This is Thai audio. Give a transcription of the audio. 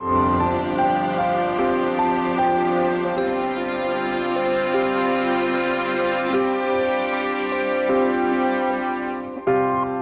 สวัสดีค่ะ